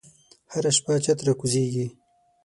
هره شپه چت راکوزیږې